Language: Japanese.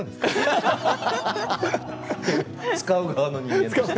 使う側の人間。